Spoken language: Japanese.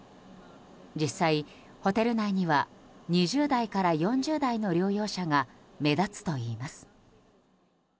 実際、ホテル内には２０代から４０代の療養者が目立つといいます。